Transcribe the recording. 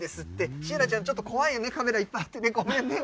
しえなちゃん、ちょっと怖いよね、カメラいっぱいあってね、ごめんね。